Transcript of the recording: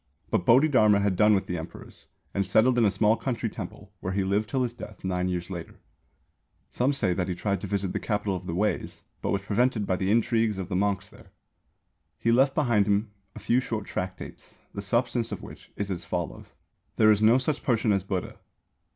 But Bodhidharma had done with Emperors, and settled in a small country temple, where he lived till his death nine years later. Some say that he tried to visit the Capital of the Weis, but was prevented by the intrigues of the monks there. He left behind him a few short tractates, the substance of which is as follows: There is no such person as Buddha.